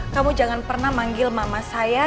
kamu jangan pernah manggil mama saya